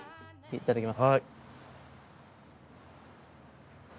いただきます。